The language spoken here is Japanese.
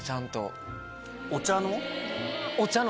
お茶の？